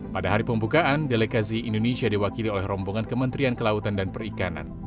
pada hari pembukaan delegasi indonesia diwakili oleh rombongan kementerian kelautan dan perikanan